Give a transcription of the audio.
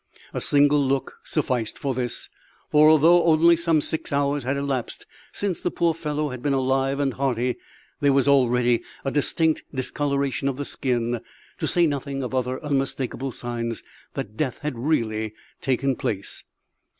A single look sufficed for this; for although only some six hours had elapsed since the poor fellow had been alive and hearty, there was already a distinct discolouration of the skin, to say nothing of other unmistakable signs that death had really taken place.